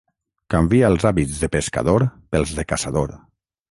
Canvia els hàbits de pescador pels de caçador.